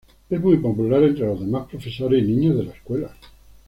Es muy popular entre los demás profesores y niños de la escuela.